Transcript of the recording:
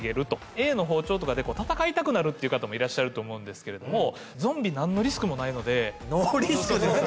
Ａの包丁とかで戦いたくなるっていう方もいらっしゃると思うんですけれどもノーリスクですね